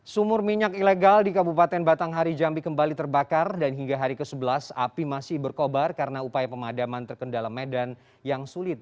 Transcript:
sumur minyak ilegal di kabupaten batanghari jambi kembali terbakar dan hingga hari ke sebelas api masih berkobar karena upaya pemadaman terkendala medan yang sulit